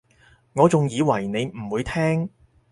我仲以為你唔會聽